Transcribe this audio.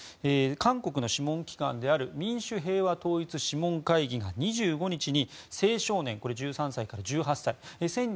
韓国の諮問機関である民主平和統一諮問会議が２５日に青少年、１３歳から１８歳。